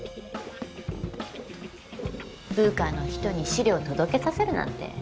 部下の人に資料届けさせるなんて。